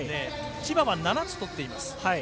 千葉は７つ、取っています。